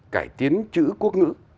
cải tiến chữ quốc ngữ